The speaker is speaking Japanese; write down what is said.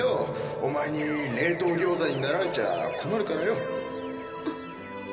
オマエに冷凍餃子になられちゃあ困るからよ。